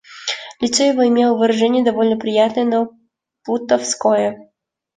Лицо его имело выражение довольно приятное, но плутовское.